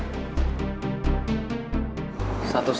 ibu adalah desa soejots